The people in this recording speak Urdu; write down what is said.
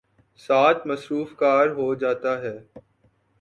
ساتھ ''مصروف کار" ہو جاتا ہے۔